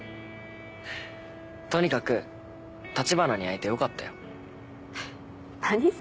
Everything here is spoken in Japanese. とにかく橘に会えてよかったよ。